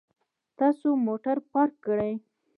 تاسو موټر پارک کړئ